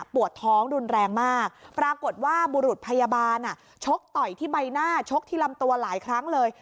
พกที่ลำตัวหลายครั้งเลย